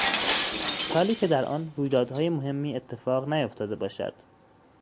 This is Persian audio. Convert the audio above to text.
سالی که در آن رویدادهای مهمی اتفاق نیفتاده باشد